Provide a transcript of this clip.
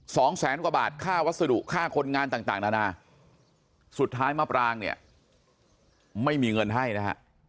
สองแสนกว่าบาทค่าวัสดุค่าคนงานต่างต่างนานาสุดท้ายมะปรางเนี่ยไม่มีเงินให้นะฮะ